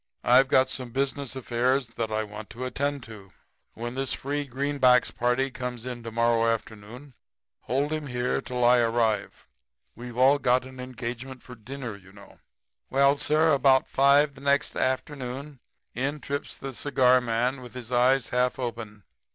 'I've got some business affairs that I want to attend to. When this free greenbacks party comes in to morrow afternoon hold him here till I arrive. We've all got an engagement for dinner, you know.' "Well, sir, about 5 the next afternoon in trips the cigar man, with his eyes half open.